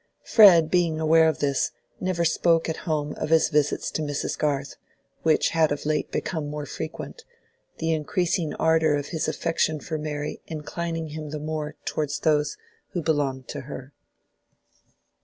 Fred, being aware of this, never spoke at home of his visits to Mrs. Garth, which had of late become more frequent, the increasing ardor of his affection for Mary inclining him the more towards those who belonged to her.